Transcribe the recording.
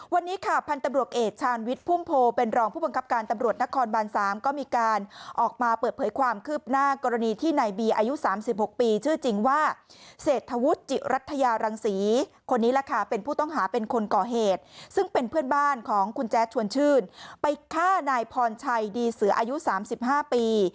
วันนี้ค่ะพันธุ์ตำรวจเอกชาญวิทย์พุ่มโพเป็นรองผู้บังคับการตำรวจนครบาน๓ก็มีการออกมาเปิดเผยความคืบหน้ากรณีที่นายบีอายุ๓๖ปีชื่อจริงว่าเศรษฐวุฒิจิรัฐยารังศรีคนนี้แหละค่ะเป็นผู้ต้องหาเป็นคนก่อเหตุซึ่งเป็นเพื่อนบ้านของคุณแจ๊ดชวนชื่นไปฆ่านายพรชัยดีเสืออายุ๓๕ปี